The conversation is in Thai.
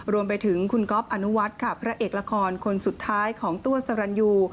รวมไปถึงคุณก๊อฟอนุวัฒน์ค่ะพระเอกละครคนสุดท้ายของตัวสรรยู